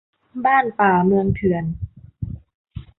บ้านป่า เมืองเถื่อน